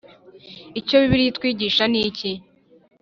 Icyo Bibiliya itwigisha niki